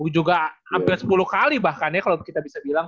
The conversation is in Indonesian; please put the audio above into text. juga hampir sepuluh kali bahkan ya kalau kita bisa bilang